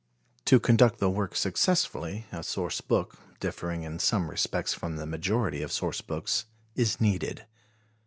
To conduct the work successfully a source book, differing in some respects from the majority of source books, is needed.